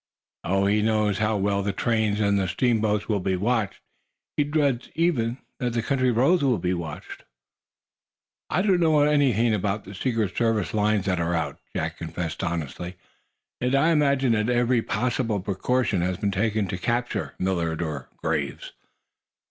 Oh, he knows how well the trains and the steamboats will be watched. He dreads, even, that the country roads will be watched." "I don't know anything about the Secret Service lines that are out," Jack confessed, honestly. "Yet I imagine that every possible precaution has been taken to capture Millard or Graves."